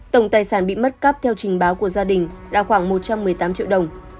tổng tài sản bị mất cắp theo trình báo của gia đình là khoảng một trăm một mươi tám triệu đồng